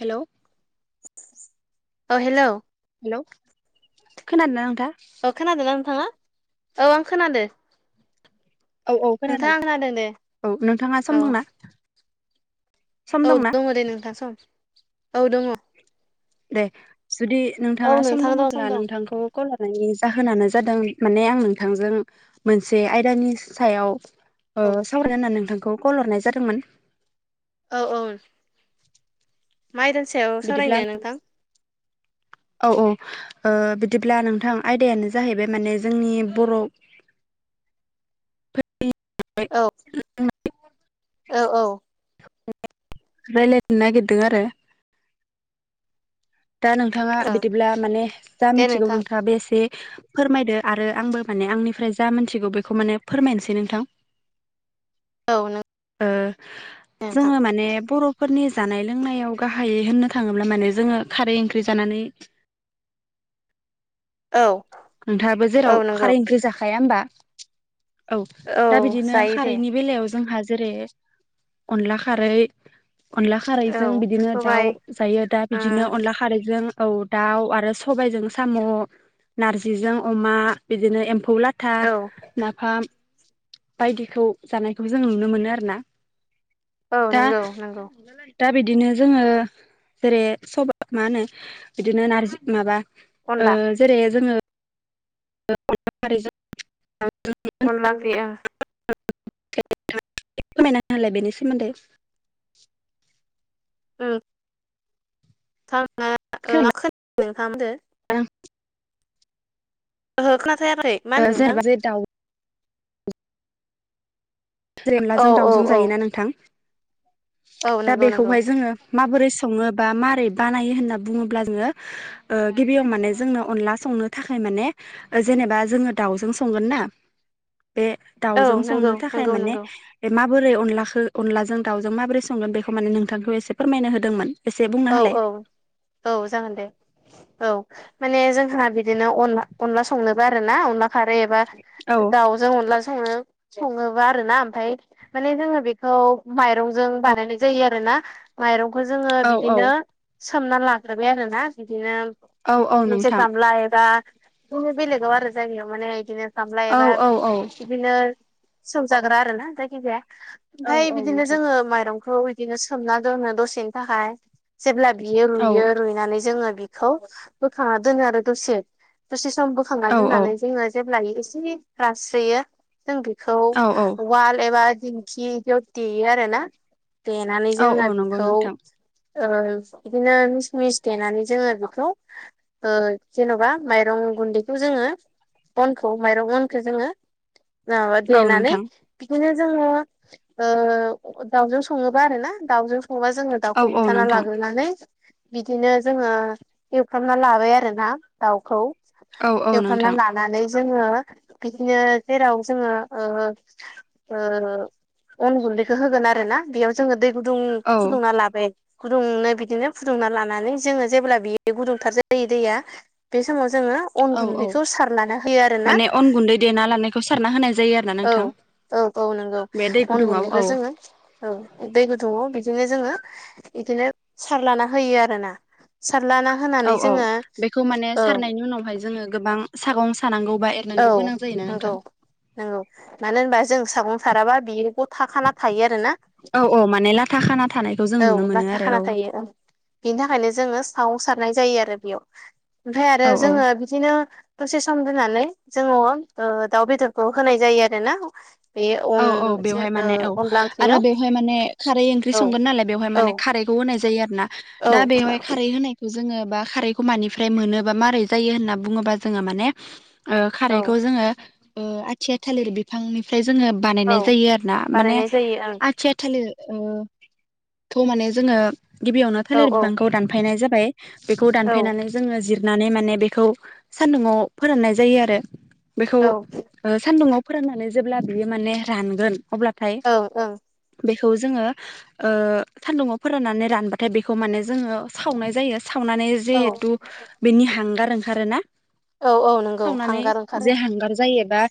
Hello ओ hello hello खोनादोंना नोंथां? औ खोनादों ना नोंथाङा? औ आं खोनादो। औ औ नोंथां खोनादों। आं दे औ नोंथाङा औ सम दंना? सम औ दंना दङ दे नोंथां सम औ दङ। दे जुदि औ नोंथाङा सम नोंथां दं दङब्ला दं नोंथांखौ कल हरनायनि जाहोनानो जादों माने आं नोंथांजों मोनसे आयदानि सायाव ओ औ सावरायनो होननानै नोंथांखौ कल हरनाय जादोंमोन। औ औन मा आयदानि सायाव बिदिब्ला सावरायनो नोंथां? औ औ ओ बिदिब्ला नोंथां आयदायानो जाहैबाय माने जोंनि बर' [unintelligible] औ जोंना औ औ रायलायनो नागिरदों आरो दा नोंथाङा ओं बिदिब्ला माने जा दे मिथिगौ नोंथां नोंथाङाबो एसे फोरमायदो आरो आंबो माने आंनिफ्राय जा मोनथिगौ बेखौ माने फोरमायनोसै नोंथां। [inaudible] औ नों ओ नोंथां जोङो माने बर' फोरनि जानाय लोंनायाव गाहायै होननो थाङोब्ला माने जोङो खारै ओंख्रि जानानै औ नोंथाङाबो औ जेराव नंगौ खारै ओंख्रि जाखाया होमबा औ दा बिदिनो जायो दे खारैनि बेलायाव जोंहा जेरै अनला खारै अनला औ खारैजों बिदिनो सबाय दाउ जायो दा ओ बिदिनो अनला खारैजों औ दाउ आरो सबायजों साम' नारजिजों अमा बिदिनो एम्फौ लाथा औ नाफाम बायदिखौ जानायखौ जों नुनो मोनो आरोना औ दा नंगौ नंगौ [unintelligible] दा बिदिनो जोङो जेरै सबा मा होनो बिदिनो नारजि माबा ओ अनला जेरै जोङो [unintelligible] [unintelligible] अनला ओंख्रि ओं फोरमायना होलाय बेनि सोमोन्दै उम थारा [unintelligible] नोंथामदो दा ओहो खोना फायाखै ओ जेनबा जे दाउ जेरै औ अनलाजों औ दाउजों औ जायोना नोंथां औ दा नंगौ नंगौ बेखौहाय जोङो माबोरै सङो बा मारै बानायो होनना बुङोब्ला जोङो ओ गिबियाव माने जोंनो अनला संनो थाखाय माने जेनेबा जोङो दाउजों संगोन ना बे दाउजों औ नंगौ संनो थाखाय नंगौ माने नंगौ बे माबोरै अनलाखौ अनलाजों दाउजों माबोरै संगोन बेखौ माने नोंथांखौ एसे फोरमायनो होदोंमोन एसे बुंना औ होलाय औ औ जागोन दे। औ माने जोंहा बिदिनोन अनला संनोबो आरो ना अनला खारै एबा औ दाउजों मोनला सोंनो सङोबा आरो ना ओमफफ्राय माने जोङो बेखौ माइरंजों बानायनाय जायो आरो ना माइरंखौ जोङो औ औ सोमनानै लाग्रोबाय आरोना बिदिनो औ औ मोनसे नोंथां गामला एबा बिदिनो बेलेगाव आरो जायोयाव माने बिदिनो गामलाय औ एबा औ औ बिदिनो सौजाग्रा आरो ना जायखिजाया औ ओमफफ्राय औ बिदिनो नोंथां जोङो माइरंखौ बिदिनो सोमना दोननो दसेनि थाखाय जेब्ला बियो औ रुइयो रुइनानै जोङो खौ बोखांना दोनो आरो दसे दसे सम बोखांना औ औ दोननानै जोङो जेब्लाय एसे रास्रोयो जों बेखौ औ औ वाल एबा दि खिदियाव देयो आर ना देनानै औ औ जोङो नंगौ बेखौ नोंथां औ बिदिनो मिस मिस देनानै जोङो बेखौ जेन'बा माइरं गुन्दैखौ जोङो अनखौ माइरं अनखौ जोङो न औ मबा नान ने नोंथां बिदिनो जोङो दाउजों सङोबा आरो ना दाउजों सङोबा जोङो औ औ हमजना नोंथां लाग्रोनानै बिदिनो जोङो एवफ्रामना लाबाय आरोना दाउखौ। औ औ एवफ्रामना नोंथां लानानै जोङो बिदिनो जेराव जोङो अन गुन्दैखौ होगोन आरो ना बेयाव जोङो दै गुदुं औ फुदुंना लाबाय। गुदुंनो बिदिनो फुदुंना लानानै जोङो जेब्ला बेयो गुदुंथार जायो दैया बे समाव जोङो अन औ औ गुन्दैखौ सारनानै होयो आरो ना माने अन गुन्दै देना लानायखौ सारना होनाय जायो आरोना औ। नोंथां औ औ नंगौ बे दै अन गुदुङाव औ गनैखौ जोङो औ दै गुदुंङआव बिदिनो जोङो बिदिनो सारलाना होयो आरो ना सारलाना औ होनानै औ जोङो बेखौ माने औ सारनायनि उनावहाय जोङो गोबां सागं सानांगौ बा औ एरनांगौ गोनां जायोना नंगौ नोंथां नंगौ मानो होनबा जों सागं साराबा बेयो गथ' थाखाना थायो आरो ना औ माने लाथा खाना थानायखौ जों औ नुनो ना मोनो आरो थाखाना थायो औ। बिनि थाखायनो जोङो साव सारनाय जायो आरो बेयाव ओमफ्राय आरो औ जोङो बिदिनो दसे सम दोनानै जोङो दाउ बेदरखौ होनाय जायो आरो ना। बे औ अन औ जे बेवहाय ओ माने औ अनला आरो ओंख्रियाव बेवहाय माने खारै ओंख्रि औ संगोन नालाय बेवहाय औ माने खारै खौ होनाय जायो आरोना दा औ बेवहाय खारै होनायखौ जोङो बा खारैखौ मानिफ्राय मोनोब बा माबारै जायो होनना बुङोबा जोङो माने औ खारैखौ जोङो आथिया थालिर बिफांनिफ्राय जोङो बानायनाय औ जायो आरो ना माने बानायनाय जायो आथिया थालिर थ' माने जोङो गिबियावनो ओं थालिर औ बिफांखौ दानफायनाय जाबाय बेखौ औ दानफायनानै जोङो जिरनानै माने बेखौ सान्दुङाव फोराननाय जायो आरो बेखौ औ ओ सान्दुुंआव फोरोंनानै जेब्ला बियो माने रानगोन अब्लाथाय औ औ ओं बेखौ जोङो ओ सान्दुङाव फोराननानै रानबाथाय बेखौ माने जोङो सावनाय जायो सावनानै औ जिहेथु बेनि हांगार ओंखारोना? औ औ नंगौ सावनानै हांगार ओंखारो जे हांगार जायोबा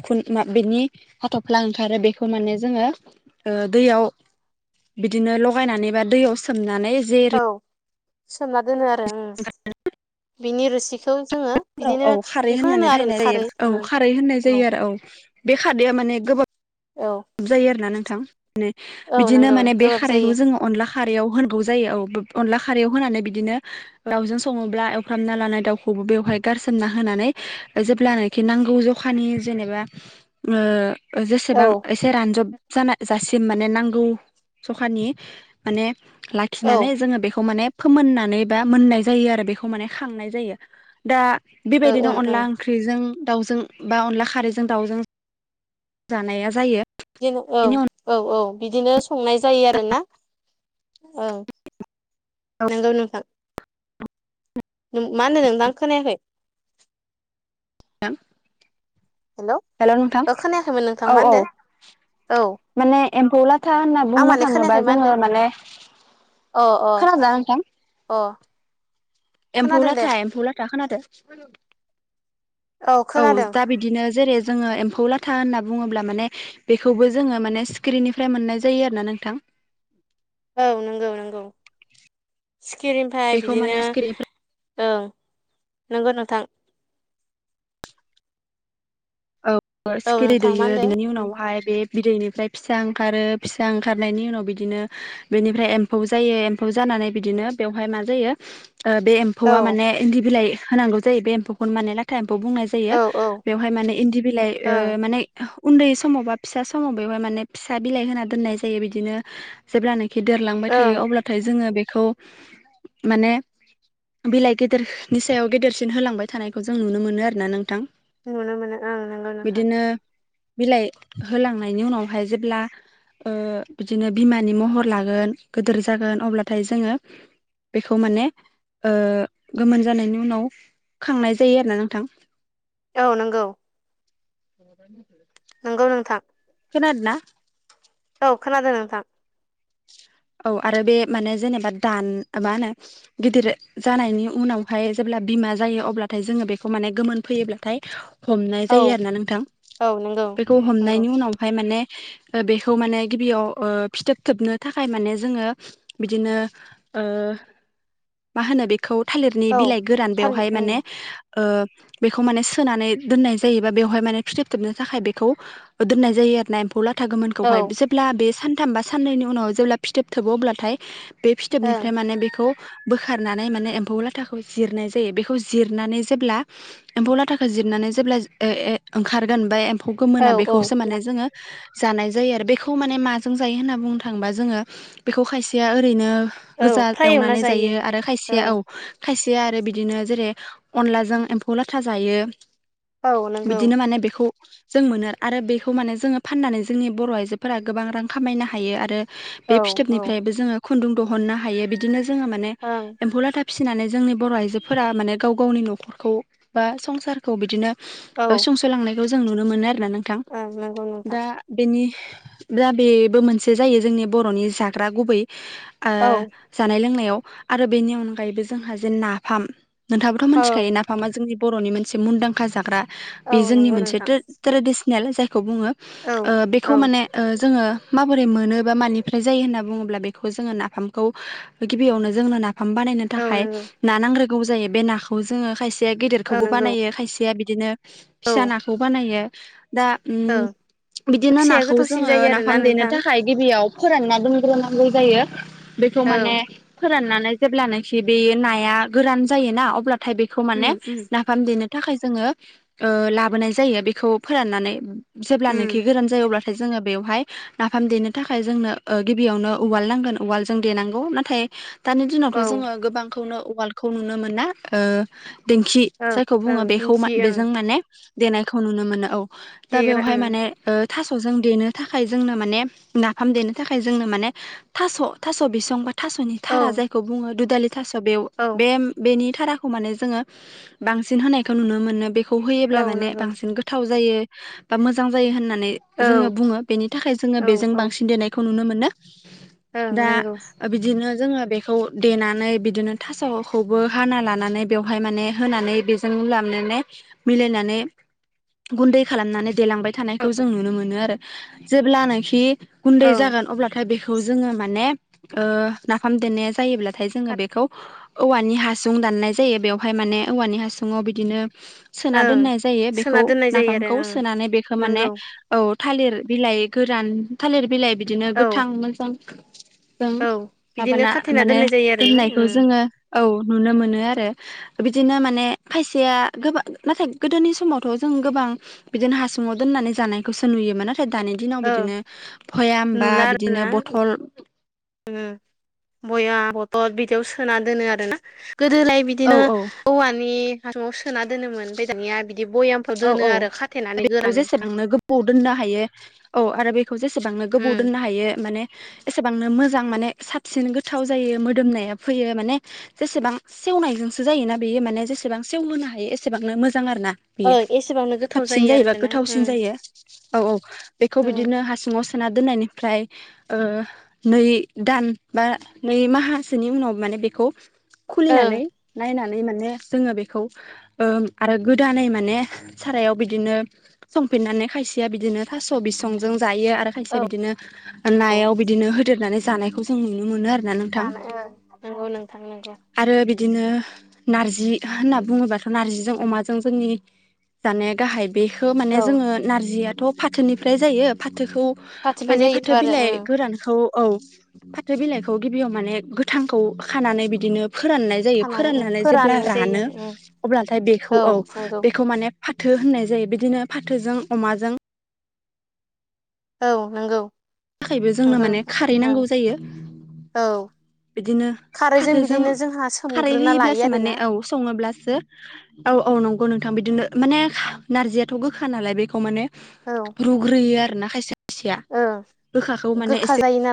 उखुन मा बेनि हाथ'फ्ला ओंखारो बेखौ माने जोङो दैयाव बिदिनो लगायनानै बा दैयाव सोमनानै जे औ सोमना दोनो आरो बिनि रोसिखौ। जोङो बिदिनो औ खारै बेखौ होनो होननानै आरो बाहायनाय जायो खारै औ उम खारै होननाय जायो आरो औ बे खारैया माने गोबाव औ। जायो आरोना नोंथां माने औ बिदिनो नंगौ माने बे गोबाब खारैखौ जायो जोङो अनला खारयाव होनोबावौ जायो औ अनला खारयाव होनानै बिदिनो लावजों सङोब्ला एवफ्रामना लानाय दाउखौबो बेवहाय गारसोमना होनानै जोब्लानाय कि नांगौ जखानि जेनेबा ओ औ जेसेबां एसे रानजब जान जासिम माने नांगौ सखानि माने ला औ आखिनानै जोङो बेखौ माने फोमोननानै बा मोननाय जायो आरो बेखौ माने खांनाय जायो दा ओ ओं बेबायदिनो अनला ओं ख्रिजों दाउजों बा अनला खारैजों दाउजों जानाया जायो बिदिनो औ बेनि अन औ औ बिदिनो संनाय जायो आरोना औ नंगौ नोंथां। मा होनो नों दां खोनायाखै हेलौ हेल' नोंथां ओ खोनायाखैमोन नोंथां औ मा होनदो औ औ माने एम्फौ लाथा होनना आं बुंनो माने थाङोबा खोनायाखै मा जोङो होनदो माने अ अ खोनादोंना नोंथां? अ एम्फौ ला खोनादों दे था एम्फौलाथा खोनादों औ दा बिदि दिनो जेरै जोङो एम्फौ लाथा होनना बुङोब्ला माने बेखौबो जोङो माने स्क्रिननिफ्राय मोननाय जायो आरो ना नोंथां औ नंगौ नंगौ सिखिरिनिफ्राय बेखौ बिदिनो माने सिखिरिफ्रा औओं नंगौ नोंथां औ सिखिरि दै नोंथां मा दैयो होनदो बिनि उम उनावहाय बे बिदैनिफ्राय फिसा ओंखारो फिसा ओंखारनायनि उनाव बिदिनो बेनिफ्राय एम्फौ जायो एम्फौ जानानै बिदिनो बेवहाय मा जायो बे औ एम्फौआ माने इन्दि बिलाइ होनांगौ जायो बे एम्फौखौनो माने लाथा एम्फौ बुंनाय जायो औ औ बेवहाय माने दि बिलाइ ओ ओं माने उन्दै समाव बा फिसा समाव बेवहाय माने फिसा बिलाइ होना दोननाय जायो बिदिनो जेब्लानाखि देरलांबाय ओं थायो अब्लाथाय जोङो बेखौ माने बिलाइ गेदेरनि सायाव गेदेरसिन होलांबाय थानायखौ जों नुनो मोनो आरो ना नोंथां नुनो मोनो ओं नंगौ नोंथां बिदिनो बिलाइ होलांनायनि उनावहाय जेब्ला ओ बिदिनो बिमानि महर लागोन गिदोर जागोन अब्लाथाय जोङो बेखौ माने ओ गोमोन जानायनि उनाव खांनाय जायो आरोना नोंथां औ नंगौ [inaudible] नोंगौ नोंथां खोनादोंना? औ खोनादों नोंथां। औ आरो बे माने जेनेबा दान मा होनो गिदिर जानायनि उनावहाय जेब्ला बिमा जायो अब्लाथाय जोङो बेखौ माने गोमोन फैयोब्लाथाय हमनाय औ जायो आरो ना नोंथां, औ नंगौ बेखौ नंगौ हमनायनि उनावहाय माने बेखौ माने गिबियाव ओ फिथोब थोबनो था माने जोङो बिदिनो मा होनो खौ थालिरनि औ बिलाइ गोरान थालिर बेवहाय औ माने ओ बेखौ माने सोनानै दोननाय जायोबा बेवहाय माने फिथोब थोबनो थाखाय बेखौ दोन्नाय जायो ना एम्फौला था गौमोनखौहाय ओं जेब्ला बे सानथाम बा साननैनि उनाव जेब्ला फिथोब थोबो अब्लाथाय बे फिथोबनिफ्राय माने बेखौ बोखारनानै माने एम्फौ लाथाखौ जिरनाय जायो बेखौ जिरनानै जेब्ला एम्फौ लाथाखौ जिरनानै जेब्ला ओंखारगोन बा एम्फौ औ गोमोना बेखौसो माने जोङो जानाय जायो आरो बेखौ माने माजों जायो होनना बुंनो थाङोबा जोङो बेखौ खायसेया ओरैनो औ गोजा फ्राय एवना एवनानै जायो आरो खायसेया औ खायसे आरो बिदिनो जेरै अनलाजों एम्फौ लाथा जायो औ नंगौ बिदिनो माने बेखौ जों मोनो आरो बेखौ माने जोङो फाननानै जोंनि बर' आइजोफोरा गोबां रां खामायनो हायो आरो औ बे औ ओं फिथोबनिफ्रायबो जोङो खुन्दुं दिहुननो हायो बिदिनो जोङो माने एम्फौलाथा फिसिनानै जोंनि बर' आइजोफोरा माने गाव गावनि न'खरखौ बा संसार खौ बिदिनो औ सुंस'लांनायखौ जों नुनो मोनो आरोना नोंथां ओं नंगौ नोंथां दा बेनि दा बेबो मोनसे जायो जोंनि बर'नि जाग्रा गुबै ओ औ जानाय लोंनायाव आरो बेनि अनगायैबो जोंहा जे नाफाम नोंथाङाबोथ' मोन्थिखायो ओं नाफामा जोंनि बर'नि मोनसे मुंदांखा जाग्रा। बे औ जोंनि नंगौ मोनसे नोंथां ट्रे-ट्रेडिसनेल जायखौ बुङो औ ओ बेखौ औ माने ओ जोङो माबोरै मोनो बा मानिफ्राय जायो होनना बुङोब्ला बेखौ जोङो नाफामखौ गिबियावनो जोंनो नाफाम बानायनो औ थाखाय नंगौ ना नांग्रोगौ जायो बे नाखौ जोङो खायसेया औ गेदेरखौबो नंगौ बानायो खायसेया बिदिनो औ फिसा नाखौ बानायो दा उम ओं बिदिनो फिसाया नाखौ गोथावसिन जोङो जायो ओ आरोना नाफाम देनो नोंथां थाखाय गिबियाव फोरानना दोनग्रोनांग्रौ जायो बेखौ औ माने फोराननानै जेब्लानोखि बे नाया गोरान जायो ना अब्लाथाय बेखौ उम माने उम ना फाम देनो थाखाय जोङो ओ लाबोनाय जायो बेखौ फोराननानै उम जेब्लानोखि गोरान जायो अब्लाथाय जोङो बेयावहाय नाफाम देनो थाखाय जोंनो ओ गिबियावनो उवाल नांगोन उवाल जों देनांगौ नाथाय दानि औ दिनावथ' जोङो गोबां खौनो उवालड खौ नुनो मोना ओ दिंखि औ जायखौ बुङो ओं बेखौ मा दिंखि ओं बेजों माने देनायखौ नुनो मोनो औ दा देग्रा बेवहाय माने ओ थास'जों देनो थाखाय जोंनो माने नाफाम देनो थाखाय जोंनो माने थास' थास' बिसं बा थास'नि थारा ओं जायखौ बुङो दुदालि थास' बेव औ बेम बेनि थाराखौ माने जोङो बांसिन होनायखौ नुनो मोनो बे थास' खौ होयोब्ला औ माने नंगौ बांसिन गोथाव जायो बा मोजां जायो होननानै औ जोङो बुङो बेनि थाखाय जोङो औ बेजों औ बांसिन देनायखौ नुनो मोनो। ओं दा नंगौ बिदिनो जोङो बेखौ देनानै बिदिनो थास'खौबो हाना लानानै बेवहाय माने होनानै बे जों मिलायनानै गुन्दै खालामनानै देलांबाय थानायखौ जों नुनो मोनो आरो। जेब्लानोखि गुन्दै ओं जागोन अब्लाथाय बेखौ जोङो माने ओ नाफाम देनाया जायोब्ला नाथाय जोङो बेखौ औवानि हासुं दाननाय जायो बेवहाय माने औवानि हासुङाव बिदिनो सोना ओं दोननाय जायो बेखौ सोना दोननाय जायो आरो नाफामखौ ओं सोनानै बेखौ माने नंगौ औ थालिर बिलाइ गोरान थालिर बिलाइ बिदिनो औ गोथां मोजां जों औ बिदिनो माबाना खाथेना माने दोननाय जायो आरोना दोननायखौ उम जोङो, औ नुनो मोनो आरो। बिदिनो माने खायसेया गोबां नाथाय गोदोनि समावथ' जों गोबां बिदिनो हासुङाव दोननानै जानायखौसो नुयोमोन नाथाय दानि दिनाव ओं बिदिनो जाया होमबा बिदिनो बथल जोङो बया बथद बिदियाव सोना दोनो आरो ना। गोदोलाय औ बिदिनो औ औवानि हासुंआव सोना दोनोमोन ओमफ्राय दानिया बिदि बयामफोर औ औ दोनो आरो खाथेनानै बेखौ गोरानो। जेसेबांनो गोबाव दोननो हायो औ आरो बेखौ जेसेबांनो गोबाव उम दोननो हायो माने एसेबांनो मोजां माने साबसिन गोथाव जायो मोदोमनाया फैयो माने जेसेबां सेवनायजोंसो जायोना बेयो माने जेसेबां सेवहोनो हायो एसेबांनो मोजां आरो ना। बेयो ओं एसेबांनो गोथाव साबसिन जायो जायोबा आरोना गोथावसिन उम जायो औ औ बेखौ ओं बिदिनो हासुङाव सोना दोननायनिफ्राय ओ नै दान बा नै माहासोनि उनाव माने बेखौ ओं खुलिनानै नायनानै माने जोङो बेखौ ओ आरो गोदानै माने माने सारायाव बिदिनो संफिननानै खायसेया बिदिनो थास' बिसंजों जायो आरो खायसेया बिदिनो नायाव बिदिनो होदेरनानै जानायखौ जों नुनो मोनो आरो। जानाय नंगौ नोंथां नोंगौ। आरो बिदिनो नार्जि होनना बुङोबाथ' नार्जिजों अमाजों जोंनि जानाया गाहाय बेखौ माने औ जोङो नारजियाथ' फाथोनिफ्राय जायो। फाथोखौ फाथिबाय माने जायोथ' फाथो आरो बिलाइ ओं गोरानखौ औ फाथो बिलाइखौ गिबियाव माने गोथांखौ खानानै बिदिनो फोराननाय जायो खानानै ओं फोराननानै जेब्ला फोराननाय जायो रानो आरो ओं अब्लाथाय बेखौ औ। बेखौ माने फाथो होननाय जायो बिदिनो फाथोजों अमाजों। औ नंगौ। बिनि थाखायबो जोंनो नंगौ माने नोंथां खारै नांगौ ओं जायो। औ। बिदिनो खारैजों फाथोजों बिदिनो जोंहा खारै सोमग्रोना लायो होयोब्लासो माने आरोना औ सङोब्लासो औ औ नंगौ नोंथां बिदिनो माने नारजियाथ' गोखा नालाय बेखौ माने औ रुग्रोयो आरो ना खायसे खायसेया ओं गोखाखौ माने गोखा एसे जायो नालाय